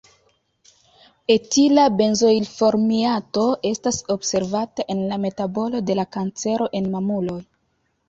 Etila benzoilformiato estas observata en la metabolo de la kancero en mamuloj.